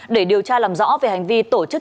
để điều tra làm rõ về hành vi tổ chức